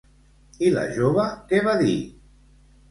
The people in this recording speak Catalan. I la jove què va dir?